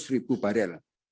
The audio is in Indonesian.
tiga ratus ribu barel